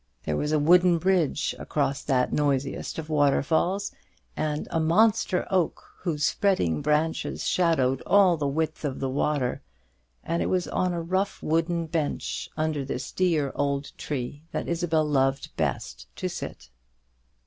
There was a wooden bridge across that noisiest of waterfalls, and a monster oak, whose spreading branches shadowed all the width of the water; and it was on a rough wooden bench under this dear old tree that Isabel loved best to sit.